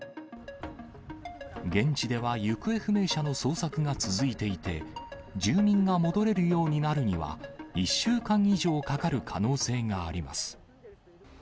現地では行方不明者の捜索が続いていて、住民が戻れるようになるには、１週間以上かかる可能性があります。